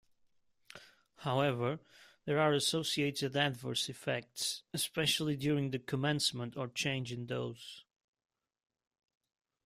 However, there are associated adverse effects, especially during the commencement or change in dose.